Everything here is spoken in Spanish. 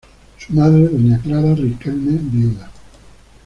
Su madre, Doña Clara Riquelme Vda.